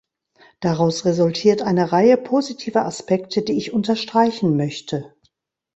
Daraus resultiert eine Reihe positiver Aspekte, die ich unterstreichen möchte.